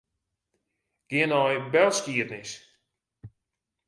Gean nei belskiednis.